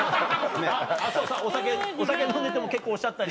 あっそうお酒飲んでても結構おっしゃったり？